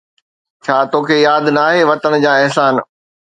ڇا توکي ياد ناهي وطن جا احسان؟